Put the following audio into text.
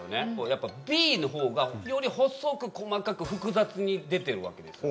やっぱＢのほうがより細く細かく複雑に出てるわけです。